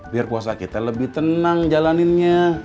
biar puasa kita lebih tenang jalaninnya